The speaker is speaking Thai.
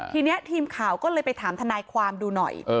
ทีนี้ทีมข่าวก็เลยไปถามทนายความดูหน่อย